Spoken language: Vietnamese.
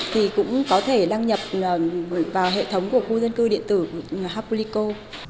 thì cũng có thể đăng nhập vào hệ thống của khu dân cư điện tử hapulico